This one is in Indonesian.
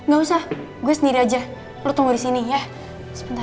gak usah gue sendiri aja lo tunggu disini ya sebentar